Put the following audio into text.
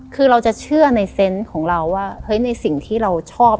คือเราจะเชื่อในเซนต์ของเราว่าเฮ้ยในสิ่งที่เราชอบ